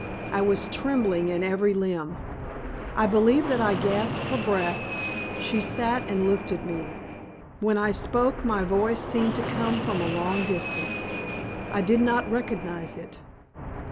I was trembling in every limb. I believe that I gasped for breath. She sat and looked at me. When I spoke my voice seemed to come from a long distance. I did not recognize it.